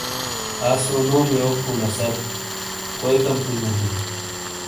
آسو نوم یوک ہوں لہ سر ؟کوئی کمپونیو ہیں؟